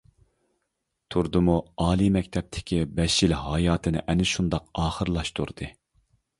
تۇردىمۇ ئالىي مەكتەپتىكى بەش يىل ھاياتىنى ئەنە شۇنداق ئاخىرلاشتۇردى.